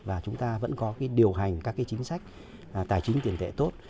và chúng ta vẫn có điều hành các cái chính sách tài chính tiền tệ tốt